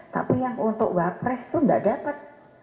tapi yang untuk wapres itu tidak dapat